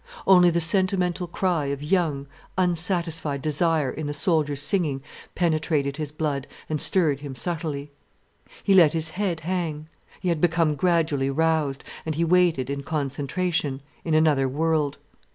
Only the sentimental cry of young, unsatisfied desire in the soldiers' singing penetrated his blood and stirred him subtly. He let his head hang; he had become gradually roused: and he waited in concentration, in another world.